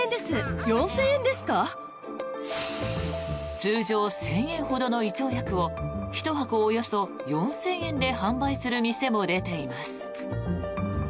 通常１０００円ほどの胃腸薬を１箱およそ４０００円で販売する店も出ています。